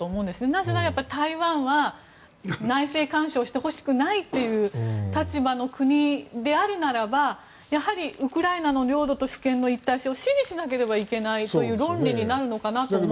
なぜならば台湾は内政干渉してほしくないという立場の国であるならばやはり、ウクライナの領土と主権の一体性を支持しなければいけないという論理になるのかなと思うんですが。